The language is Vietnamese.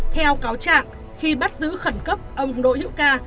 theo cáo trạng khi bắt giữ khẩn cấp ông đỗ hữu ca